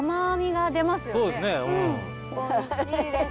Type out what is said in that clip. おいしいです。